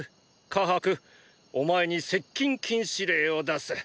カハクお前に接近禁止令を出す。